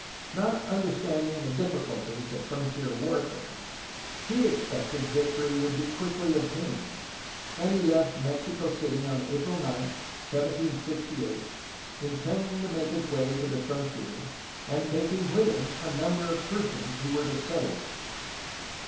Not understanding the difficulties of frontier warfare he expected victory would be quickly obtained, and he left Mexico City on April 9, 1768, intending to make his way to the frontier and taking with him a number of persons who were to settle there.